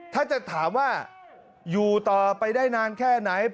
ถ้าจะถามว่าอยู่ต่อไปได้นานแค่ไหน